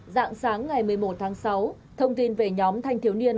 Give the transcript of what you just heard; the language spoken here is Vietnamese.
dạng sáng ngày một mươi một tháng sáu thông tin về nhóm thanh thiếu niên